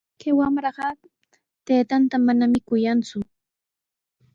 Kay wamraqa taytanta manami kuyanku.